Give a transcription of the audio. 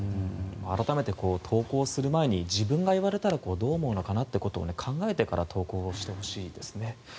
改めて、投稿する前に自分が言われたらどう思うのかということを考えてから投稿してほしいですね。